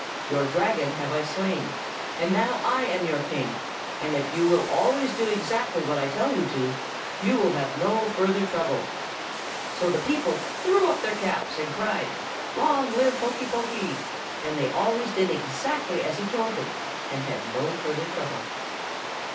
Your Dragon have I slain, and now I am your king; and if you will always do exactly what I tell you to do, you will have no further trouble.' "So the people threw up their caps and cried, 'Long live Hokey Pokey!' and they always did exactly as he told them, and had no further trouble.